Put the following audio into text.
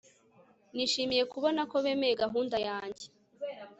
Nishimiye kubona ko bemeye gahunda yanjye